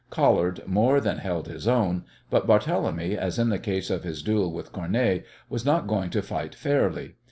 Collard more than held his own, but Barthélemy, as in the case of his duel with Cournet, was not going to fight fairly.